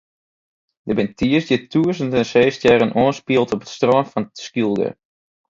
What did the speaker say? Der binne tiisdei tûzenen seestjerren oanspield op it strân fan Skylge.